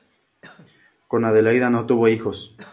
Con Adelaida no tuvo hijos.